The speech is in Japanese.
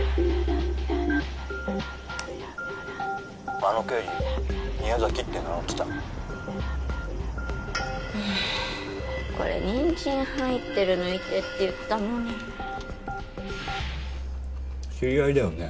あの刑事宮崎って名乗ってたこれニンジン入ってる抜いてって言ったのに知り合いだよね？